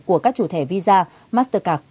của các chủ thẻ visa mastercard